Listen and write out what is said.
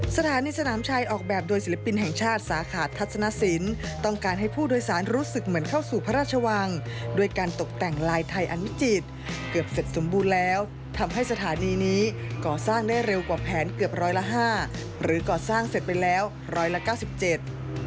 สนามชายออกแบบโดยศิลปินแห่งชาติสาขาทัศนสินต้องการให้ผู้โดยสารรู้สึกเหมือนเข้าสู่พระราชวังด้วยการตกแต่งลายไทยอันวิจิตรเกือบเสร็จสมบูรณ์แล้วทำให้สถานีนี้ก่อสร้างได้เร็วกว่าแผนเกือบร้อยละห้าหรือก่อสร้างเสร็จไปแล้วร้อยละเก้าสิบเจ็ด